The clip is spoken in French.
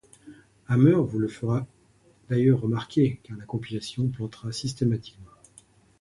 Hammer vous le fera d'ailleurs remarquer, car la compilation plantera systématiquement.